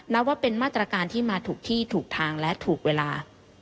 นับว่าเป็นมาตรการที่มาถูกที่ถูกทางและถูกเวลา